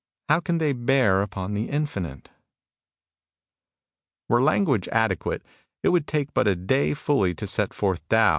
How can they bear upon the infinite ?" Were language adequate, it would take but a day fully to set forth Tao.